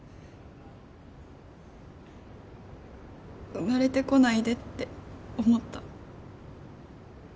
生まれてこないでって思った。